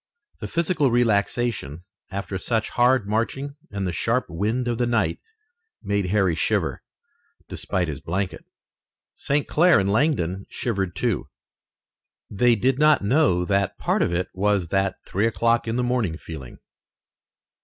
The physical relaxation after such hard marching and the sharp wind of the night made Harry shiver, despite his blanket. St. Clair and Langdon shivered, too. They did not know that part of it was that three o'clock in the morning feeling.